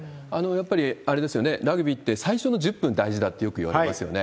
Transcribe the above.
やっぱりあれですよね、ラグビーって最初の１０分大事だってよくいわれますよね。